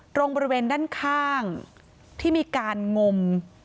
ตรงบริเวณด้านข้างที่มีการงม